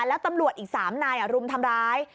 แล้วตำรวจอีก๓นายรุมทำร้าย